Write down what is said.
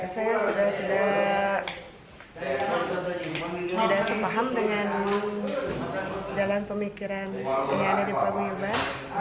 saya sudah tidak sepaham dengan jalan pemikiran yang ada di paguyuban